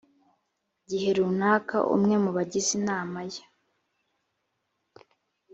gihe runaka umwe mu bagize inama ye